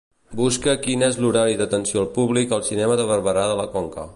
Busca quin és l'horari d'atenció al públic al cinema de Barberà de la Conca.